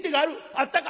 「あったか？」。